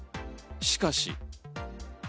しかし。